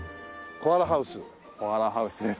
コアラハウスです。